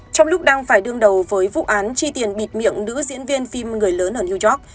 trong lúc đang phải đương đầu với vụ án chi tiền bịt miệng nữ diễn viên phim người lớn ở new york